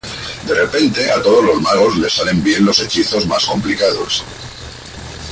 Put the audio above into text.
De repente, a todos los magos les salen bien los hechizos más complicados.